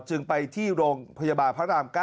จึงไปที่โรงพยาบาลพระราม๙